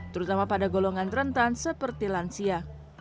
terutama pada golongan rentan seperti lansia